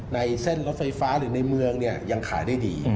ในเส้นรถไฟฟ้าหรือในเมืองเนี่ยยังขายได้ดี